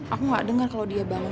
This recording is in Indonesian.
aku gak dengar kalau dia bangun